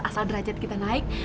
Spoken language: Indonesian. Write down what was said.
asal derajat kita naik